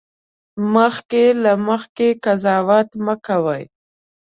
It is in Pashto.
مخکې له مخکې قضاوت مه کوئ